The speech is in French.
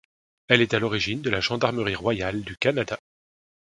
Elle est à l'origine de la Gendarmerie royale du Canada.